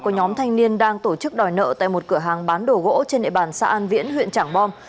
của nhóm thanh niên đang tổ chức đòi nợ tại một cửa hàng bán đồ gỗ trên địa bàn xã an viễn huyện trảng bom